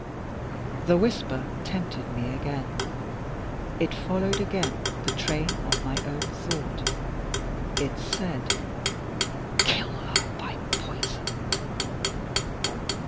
The whisper tempted me again. It followed again the train of my own thought. It said: "Kill her by poison."